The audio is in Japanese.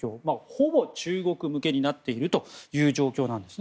ほぼ中国向けになっているという状況なんです。